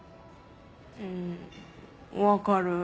うん分かる。